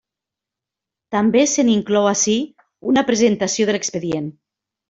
També se n'inclou ací una presentació de l'expedient.